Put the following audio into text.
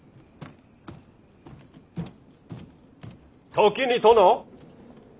時に殿。